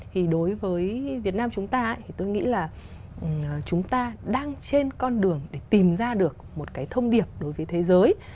thì đối với việt nam chúng ta thì tôi nghĩ là chúng ta đang trên con đường để tìm ra được một cái thông điệp đối với thế giới